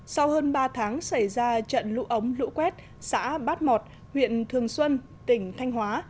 sau hơn ba tháng xảy ra trận lũ ống lũ quét xã bát mọt huyện thường xuân tỉnh thanh hóa